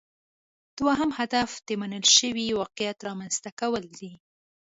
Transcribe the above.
دوهم هدف د منل شوي واقعیت رامینځته کول دي